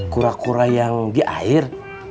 kura kura yang di air